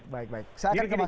baik baik saya akan terpaksa